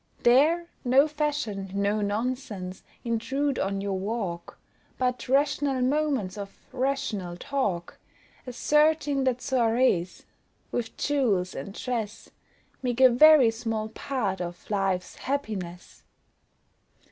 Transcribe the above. There no fashion, no nonsense, intrude on your walk, But rational moments of rational talk, Asserting that soiries, with jewels and dress, Make a very small part of life's happiness.